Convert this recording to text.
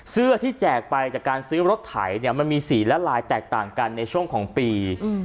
เสื้อที่แจกไปจากการซื้อรถไถเนี่ยมันมีสีและลายแตกต่างกันในช่วงของปี